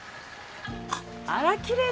あらきれい。